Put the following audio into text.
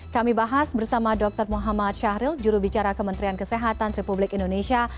kami bahas bersama dr muhammad syahril jurubicara kementerian kesehatan republik indonesia